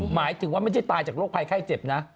หมายถึงว่าไม่ใช่ตายจากโรคภัยไข้เจ็บนะ